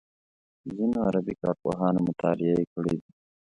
ځینو غربي کارپوهانو مطالعې کړې دي.